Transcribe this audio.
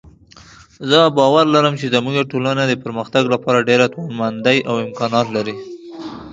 زه باور لرم چې زموږ ټولنه د پرمختګ لپاره ډېره توانمندۍ او امکانات لري